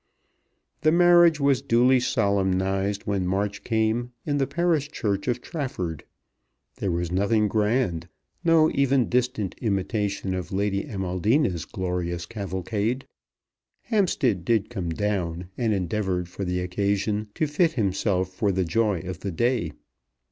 The marriage was duly solemnized when March came in the parish church of Trafford. There was nothing grand, no even distant imitation of Lady Amaldina's glorious cavalcade. Hampstead did come down, and endeavoured for the occasion to fit himself for the joy of the day.